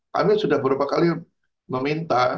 kami sudah beberapa kali meminta